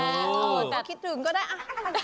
เออแต่ถ้าคิดถึงก็ได้เอ้า